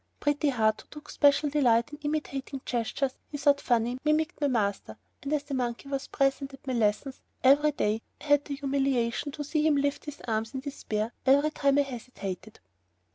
Pretty Heart, who took special delight in imitating gestures he thought funny, mimicked my master, and as the monkey was present at my lessons every day, I had the humiliation to see him lift his arms in despair every time I hesitated.